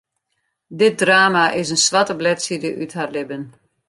Dit drama is in swarte bledside út har libben.